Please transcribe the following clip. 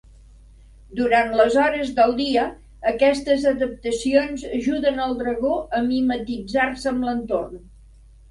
Durant les hores del dia, aquestes adaptacions ajuden al dragó a mimetitzar-se amb l'entorn.